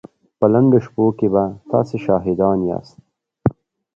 په لنډو شپو کې به تاسې شاهدان ياست.